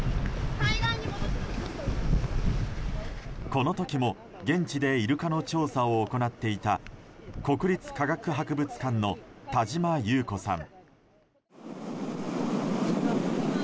この時も現地でイルカの調査を行っていた国立科学博物館の田島木綿子さん。